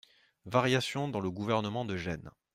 - Variations dans le gouvernement de Gênes.